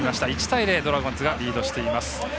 １対０でドラゴンズがリードしています。